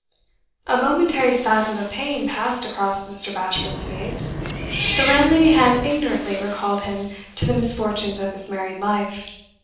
A momentary spasm of pain passed across Mr. Bashwood's face. The landlady had ignorantly recalled him to the misfortunes of his married life.